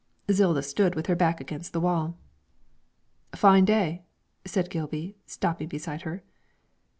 Zilda stood with her back against the wall. 'Fine day,' said Gilby, stopping beside her.